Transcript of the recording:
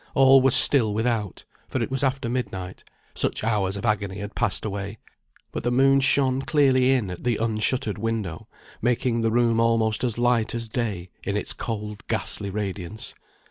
All was still without, for it was after midnight, such hours of agony had passed away; but the moon shone clearly in at the unshuttered window, making the room almost as light as day, in its cold ghastly radiance.